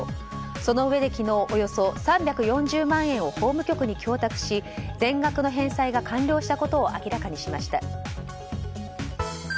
そのうえで昨日およそ３４０万円を法務局に供託し全額の返済が完了したことを明らかにしました。